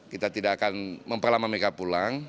kita tidak akan memperlama mereka pulang